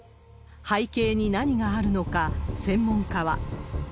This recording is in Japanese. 背景に何があるのか、専門家は。